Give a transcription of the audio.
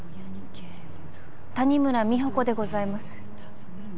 谷村美保子でございます